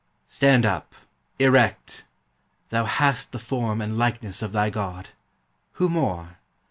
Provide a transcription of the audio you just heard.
Stand up erect! Thou hast the form And likeness of thy God! Who more?